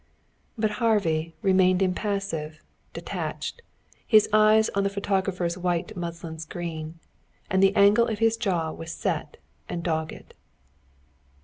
But Harvey remained impassive, detached, his eyes on the photographer's white muslin screen. And the angle of his jaw was set and dogged.